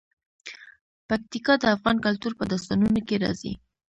پکتیکا د افغان کلتور په داستانونو کې راځي.